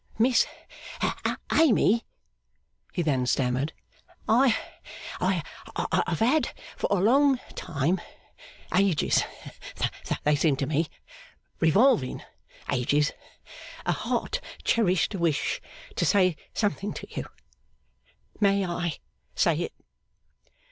'Miss Amy,' he then stammered, 'I have had for a long time ages they seem to me Revolving ages a heart cherished wish to say something to you. May I say it?